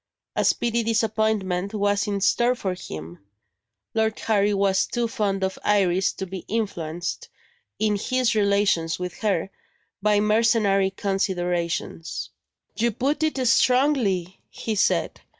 A speedy disappointment was in store for him. Lord Harry was too fond of Iris to be influenced, in his relations with her, by mercenary considerations. "You put it strongly," he said.